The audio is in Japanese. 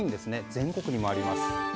全国にもあります。